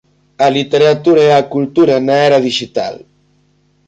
A literatura e a cultura na era dixital".